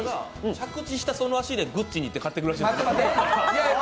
着地したその足でグッチに行って買ってくるらしいです。